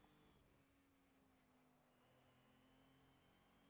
Dêr kinne in soad in puntsje oan sûge.